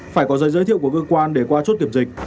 phải có giấy giới thiệu của cơ quan để qua chốt kiểm dịch